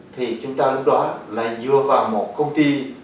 thì chúng ta lúc đó lại dựa vào một công ty